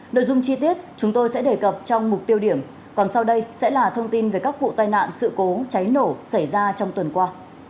nội dung chi tiết chúng tôi sẽ đề cập trong mục tiêu điểm còn sau đây sẽ là thông tin về các vụ tai nạn sự cố cháy nổ xảy ra trong tuần qua